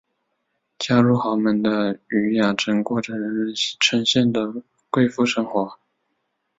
嫁入豪门的禹雅珍过着人人称羡的贵妇生活。